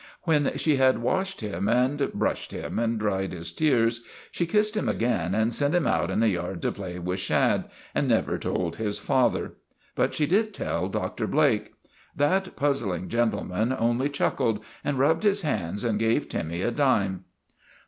When she had washed him and brushed him and dried his tears, she kissed him again and sent him out in the yard to play with Shad, and never told his father. 202 THE REGENERATION OF TIMMY But she did tell Dr. Blake. That puzzling gentle man only chuckled and rubbed his hands and gave Timmy a dime.